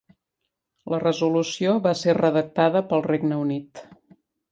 La resolució va ser redactada pel Regne Unit.